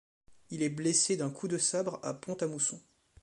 Il est blessé d'un coup de sabre à Pont-à-Mousson.